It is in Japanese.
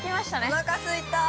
◆おなかすいたー。